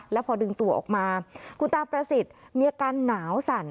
แล้วพอดึงตัวออกมาคุณตาประสิทธิ์มีอาการหนาวสั่น